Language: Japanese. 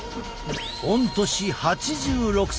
御年８６歳。